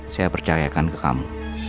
saya percayakan ke kamu